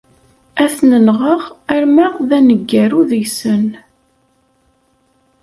Ad ten-nɣeɣ arma d aneggaru deg-sen.